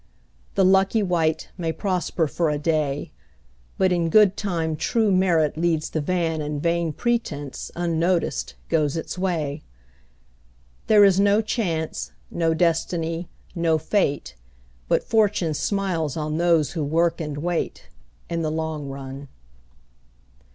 The lucky wight may prosper for a day, But in good time true merit leads the van And vain pretence, unnoticed, goes its way. There is no Chance, no Destiny, no Fate, But Fortune smiles on those who work and wait, In the long run.